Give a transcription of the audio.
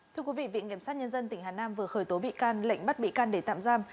thưa quý vị viện kiểm sát nhân dân tỉnh hà nam vừa khởi tố bị can lệnh bắt bị can để tạm giam